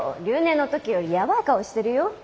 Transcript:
留年の時よりやばい顔してるよ？